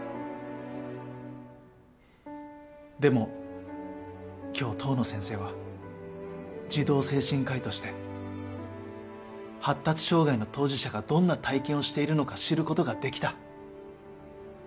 でも今日遠野先生は児童精神科医として発達障害の当事者がどんな体験をしているのか知る事ができた。